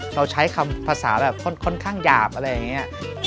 เราใช้คำภาษาแบบค่อนข้างหยาบอะไรอย่างนี้